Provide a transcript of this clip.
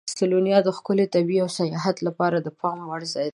سلووینیا د ښکلي طبیعت او سیاحت لپاره د پام وړ ځای دی.